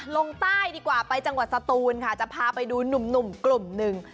ลงใต้ดีกว่าไปจังหวัดสตูนค่ะจะพาไปดูหนุ่มกลุ่มหนึ่ง